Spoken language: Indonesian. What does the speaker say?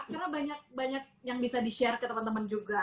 karena banyak banyak yang bisa di share ke teman teman juga